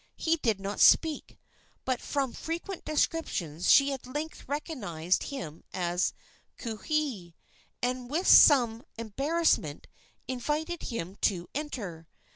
He did not speak, but from frequent descriptions she at length recognized him as Kauhi, and with some embarrassment invited him to enter.